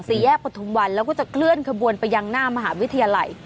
สี่แยกประทุมวันแล้วก็จะเคลื่อนขบวนไปยังหน้ามหาวิทยาลัย